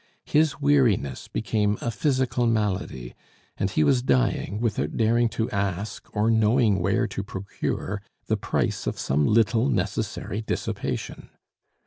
His weariness became a physical malady, and he was dying without daring to ask, or knowing where to procure, the price of some little necessary dissipation.